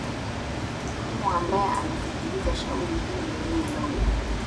imu ambaye anasikiliza shauri hilo hey loh